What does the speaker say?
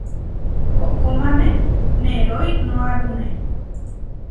Koʼkómane neroínoarune.